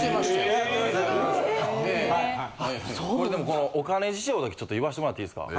このお金事情だけちょっと言わせてもらっていいですか？